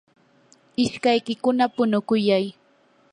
ishkaykikuna punukuyay.